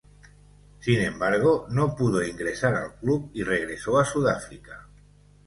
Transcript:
Sin embargo, no pudo ingresar al club y regresó a Sudáfrica.